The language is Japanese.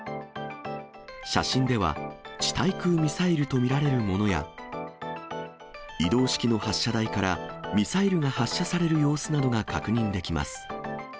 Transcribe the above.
写真では、地対空ミサイルと見られるものや、移動式の発射台からミサイルが発射される様子などが確認できます。